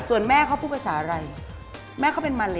ส่วนแม่เขาพูดภาษาอะไรแม่เขาเป็นมันเลย